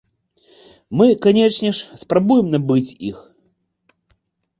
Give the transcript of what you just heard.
Мы, канечне ж, спрабуем набыць іх.